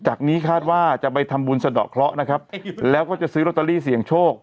นี้คาดว่าจะไปทำบุญสะดอกเคราะห์นะครับแล้วก็จะซื้อลอตเตอรี่เสี่ยงโชค